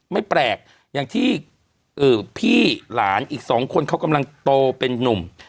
ไม่แปลกอย่างที่พี่หลานอีกสองคนเขากำลังโตเป็นนุ่ม